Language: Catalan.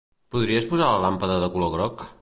Podries posar la làmpada de color groc?